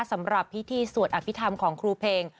สำหรับพิธีสวดอภิษฐรรมของครูเพลง